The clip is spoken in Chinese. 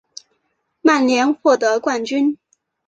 曼联获得冠军。